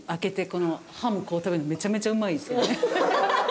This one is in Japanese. こう食べるのめちゃめちゃうまいですよね。